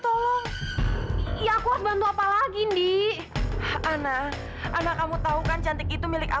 eyang mau ketemu sama kamu mila